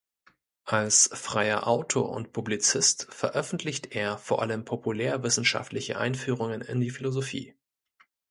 Als freier Autor und Publizist veröffentlicht er vor allem populärwissenschaftliche Einführungen in die Philosophie.